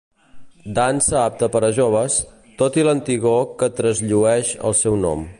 Dansa apta per a joves, tot i l'antigor que trasllueix el seu nom.